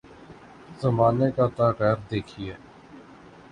زمانے کا تغیر دیکھیے۔